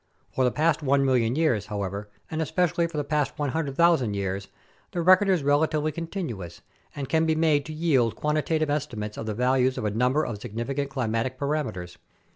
For the past one million years, however, and especially for the past 100,000 years, the record is rela tively continuous and can be made to yield quantitative estimates of the values of a number of significant climatic parameters.